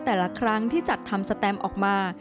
แต่ละครั้งที่จัดทำสแตมออกมา